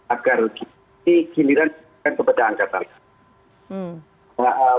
agar ini dikirimkan kepada angkatan darat